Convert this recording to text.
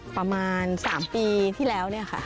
ประมาณ๓ปีที่แล้วเนี่ยค่ะ